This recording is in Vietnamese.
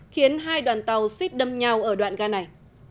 khiến hai đoàn tàu suýt đâm nhau ở đoạn ga này